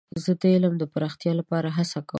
زه د علم د پراختیا لپاره هڅه کوم.